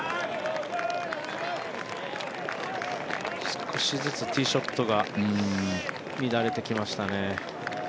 少しずつティーショットが乱れてきましたね。